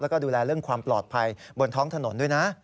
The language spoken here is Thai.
แล้วก็ดูแลเรื่องความปลอดภัยบนท้องถนนด้วยนะ